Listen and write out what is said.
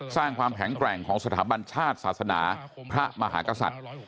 สร้างความแข็งแกร่งของสถาบันชาติศาสนาพระมหากษัตริย์